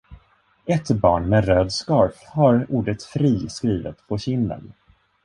Ett barn med röd scarf har ordet fri skrivet på kinden.